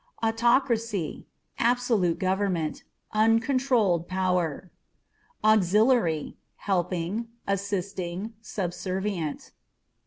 Autocracy â€" absolute government, uncontrolled power. Auxiliary â€" helping, assisting, subservient.